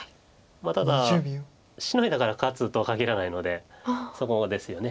ただシノいだから勝つとは限らないのでそこですよね。